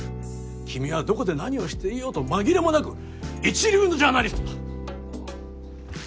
君はどこで何をしていようと紛れもなく一流のジャーナリストだ。